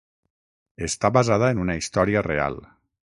Està basada en una història real.